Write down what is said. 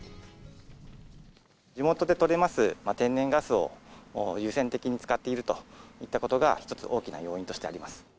地元で取れます天然ガスを優先的に使っているといったことが一つ、大きな要因としてあります。